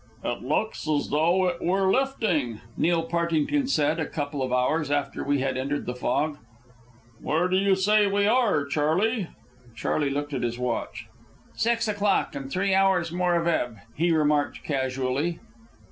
"It looks as though it were lifting," Neil Partington said, a couple of hours after we had entered the fog. "Where do you say we are, Charley?" Charley looked at his watch. "Six o'clock, and three hours more of ebb," he remarked casually.